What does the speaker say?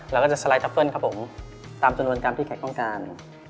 ตามจุดโนรกรรมที่แข็งต้องการ